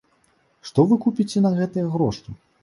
Што вы купіце на гэтыя грошы?